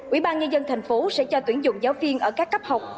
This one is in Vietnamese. ủy ban nhân dân thành phố sẽ cho tuyển dụng giáo viên ở các cấp học